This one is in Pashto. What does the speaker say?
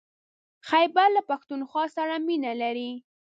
خيبر له پښتونخوا سره مينه لري.